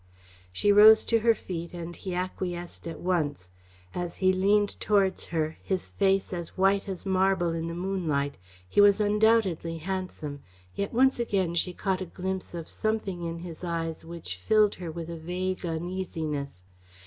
She rose to her feet and he acquiesced at once. As he leaned towards her, his face as white as marble in the moonlight, he was undoubtedly handsome, yet once again she caught a glimpse of something in his eyes which filled her with a vague uneasiness.